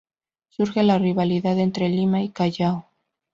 Surge la rivalidad entre Lima y Callao.